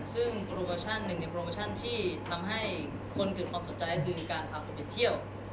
ซึ่งโปรโมชั่นหนึ่งในโปรโมชั่นที่ทำให้คนเกิดความสนใจคือการพาผมไปเที่ยว